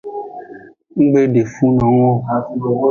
Nggbe de fun nung o.